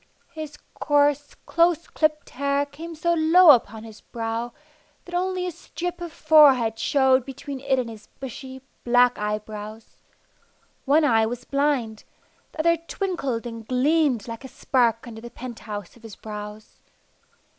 His coarse, close clipped hair came so low upon his brow that only a strip of forehead showed between it and his bushy, black eyebrows. One eye was blind; the other twinkled and gleamed like a spark under the penthouse of his brows.